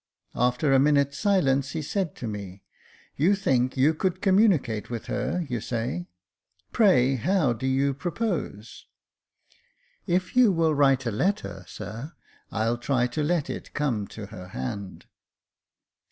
After a minute's silence he said to me, " You think you could communicate with her, you say. Pray, how do you propose ?"" If you will write a letter, sir, I'll try to let it come to her hand."